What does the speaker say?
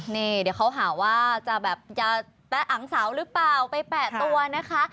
เดี๋ยวเขาหาว่าจะแปะอังเซารึเปล่าไปแปะตัวนะคะ